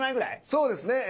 そうですね。